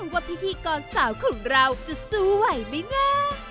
ว่าพิธีกรสาวของเราจะสู้ไหวไหมนะ